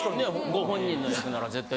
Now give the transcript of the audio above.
ご本人の役なら絶対できる。